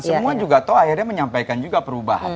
semua juga tau akhirnya menyampaikan juga perubahan